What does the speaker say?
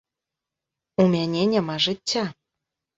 У мяне няма жыцця.